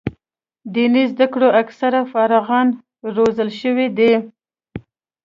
دیني زده کړو اکثره فارغان روزل شوي دي.